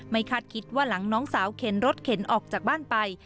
คาดคิดว่าหลังน้องสาวเข็นรถเข็นออกจากบ้านไป